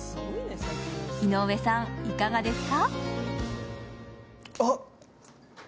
井上さん、いかがですか？